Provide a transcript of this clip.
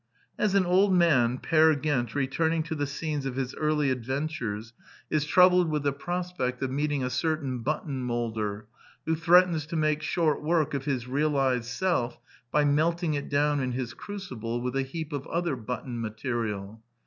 As an old man, Peer Gynt, returning to the scenes of his early adventures, is troubled with The Plays 59 the prospect of meeting a certain button moulder who threatens to make short work of his realized self by melting it down in his crucible with a heap of other buhon material.